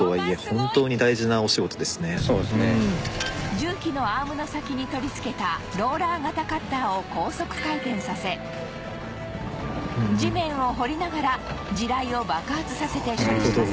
重機のアームの先に取り付けたローラー型カッターを高速回転させ地面を掘りながら地雷を爆発させて処理します